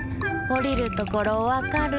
おりるところわかる？